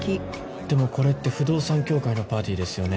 でもこれって不動産協会のパーティーですよね。